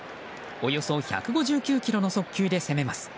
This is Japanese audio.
およそ１５９キロの速球で攻めます。